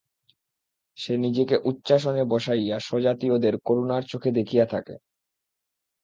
সে নিজেকে উচ্চাসনে বসাইয়া স্বজাতীয়দের করুণার চোখে দেখিয়া থাকে।